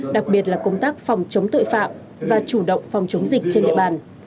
đặc biệt là công tác phòng chống tội phạm và chủ động phòng chống dịch trên địa bàn